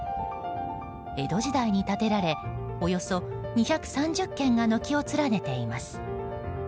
江戸時代に建てられおよそ２３０軒が軒を連ねています。